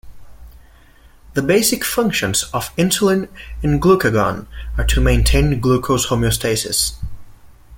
The basic functions of insulin and glucagon are to maintain glucose homeostasis.